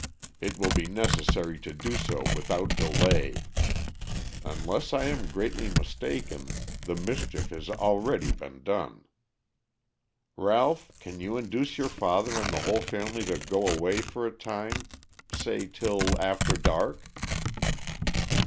"It will be necessary to do so without delay. Unless I am greatly mistaken, the mischief has already been done. Ralph, can you induce your father and the whole family to go away for a time say till after dark?"